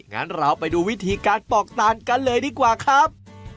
งั้นเราไปดูวิธีการปอกตาลกันเลยดีกว่าครับ